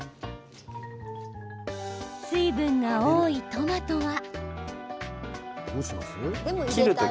水分が多いトマトは。